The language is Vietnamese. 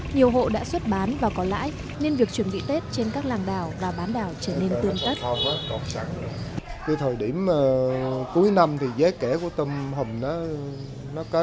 nhiều hộ đã xuất bán và có lãi nên việc chuẩn bị tết trên các làng đảo và bán đảo trở nên tương tác